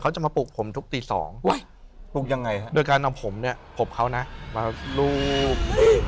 เขาจะมาปลูกผมทุกตี๒โดยการเอาผมเนี่ยผมเขานะมาลูบ